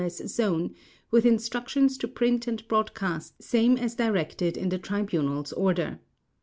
S. Zone with instructions to print and broadcast same as directed in the Tribunal's order.